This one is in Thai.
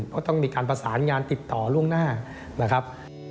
ก็ต้องมีการประสานงานติดต่อล่วงหน้านะครับ